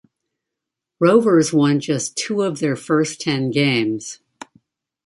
Rovers won just two of their first ten games.